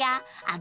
あ！